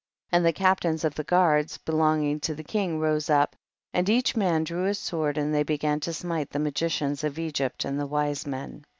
29. And the captains of the guards belonging to the king rose up, and each man drew his sword, and they began to smite the magicians of Egypt, and the wise men.